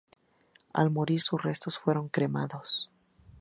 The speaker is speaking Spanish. Al morir, sus restos fueron cremados.